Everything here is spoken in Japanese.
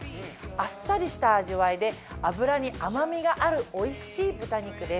あっさりした味わいで脂に甘みがあるおいしい豚肉です。